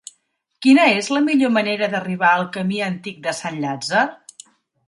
Quina és la millor manera d'arribar al camí Antic de Sant Llàtzer?